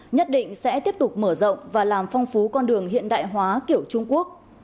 nhất định sẽ tiếp tục mở rộng và làm phong phú con đường hiện đại hóa kiểu trung quốc